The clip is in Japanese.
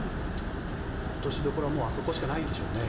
落としどころはあそこしかないんでしょうね。